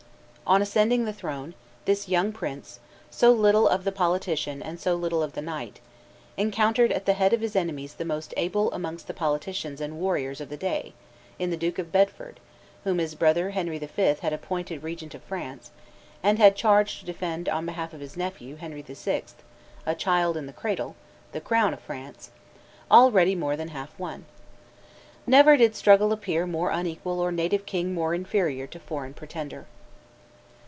On ascending the throne, this young prince, so little of the politician and so little of the knight, encountered at the head of his enemies the most able amongst the politicians and warriors of the day in the Duke of Bedford, whom his brother Henry V. had appointed regent of France, and had charged to defend on behalf of his nephew, Henry VI., a child in the cradle, the crown of France, already more than half won. Never did struggle appear more unequal or native king more inferior to foreign pretender.